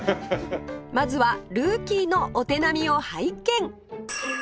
まずはルーキーのお手並みを拝見